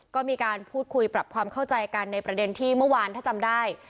ก็มีการพูดคุยปรับความเข้าใจกันในประเด็นที่เมื่อวานถ้าจำได้